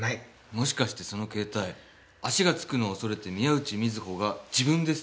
もしかしてその携帯足がつくのを恐れて宮内美津保が自分で捨てた？